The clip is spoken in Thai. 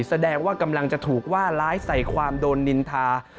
แสดงว่ากำลังจะถูกว่าร้ายใส่ความโดนนินทา